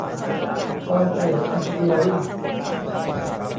ไฟร์เทรดเอ็นจิเนียริ่ง